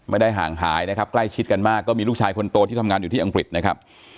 ไม่ได้ห่างหายนะครับใกล้ชิดกันมากก็มีลูกชายคนโตที่ทำงานอยู่ที่อังกฤษนะครับ